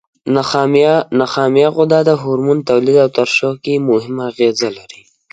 نخامیه غده د هورمون تولید او ترشح کې مهمه اغیزه لري.